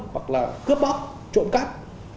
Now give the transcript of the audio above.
hoặc là cướp bóp trộm cắt